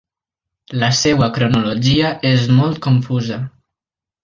La seva cronologia és molt confusa.